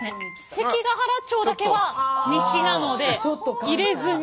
関ケ原町だけは西なので入れずに。